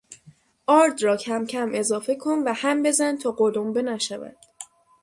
آرد را کمکم اضافه کن و هم بزن تا قلمبه نشود.